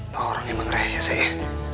tau orang emang rese ya